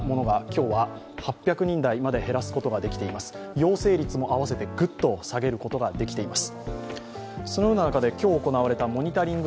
陽性率もあわせてグッと下げることができています。